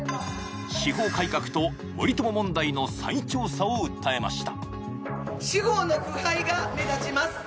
司法改革と森友問題の再調査を訴えました。